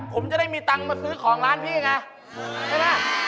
ผมจะได้มีตังค์มาซื้อของร้านพี่ไงใช่ไหม